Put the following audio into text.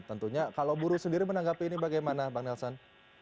tentunya kalau buruh sendiri menanggapi ini bagaimana bang nelson